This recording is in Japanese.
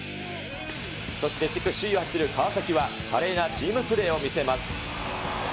そして地区首位を走る川崎は華麗なチームプレーを見せます。